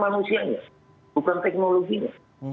manusianya bukan teknologinya